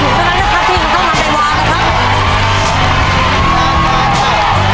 เหลืออีก๕ถุงเพราะนั้นนะฮะ